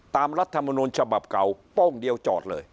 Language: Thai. รัฐมนูลฉบับเก่าโป้งเดียวจอดเลย